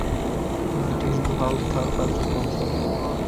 British গুহা উদ্ধারকার্য পরিষদে।